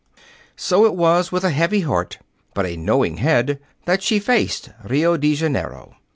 So it was with a heavy heart but a knowing head that she faced Rio de Janeiro.